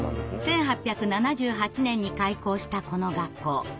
１８７８年に開校したこの学校。